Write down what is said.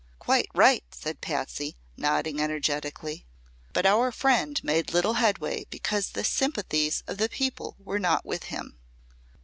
"Quite right," said Patsy, nodding energetically. "But our friend made little headway because the sympathies of the people were not with him."